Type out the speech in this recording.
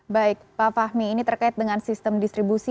baik pak fahmi ini terkait dengan sistem distribusi